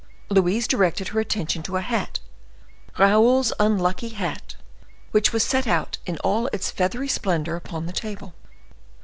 Louise directed her attention to a hat—Raoul's unlucky hat, which was set out in all its feathery splendor upon the table.